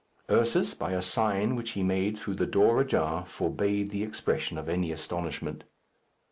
Ursus, by a sign which he made through the door ajar, forbade the expression of any astonishment.